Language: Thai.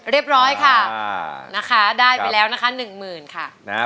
เรียบร้อยค่ะได้ไปแล้วนะคะสำเร็จ